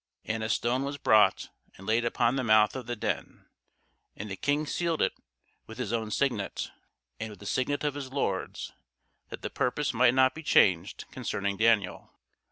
And a stone was brought, and laid upon the mouth of the den; and the King sealed it with his own signet, and with the signet of his lords; that the purpose might not be changed concerning Daniel.